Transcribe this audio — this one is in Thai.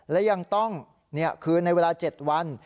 และยังต้องคืนในเวลา๗วัน